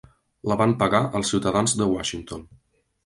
La van pagar els ciutadans de Washington.